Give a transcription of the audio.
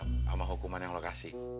sama hukuman yang lo kasih